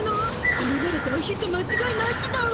これなら大ヒットまちがいなしだわ。